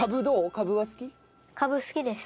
カブ好きです。